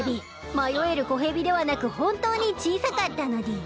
迷える子ヘビではなく本当に小さかったのでぃす。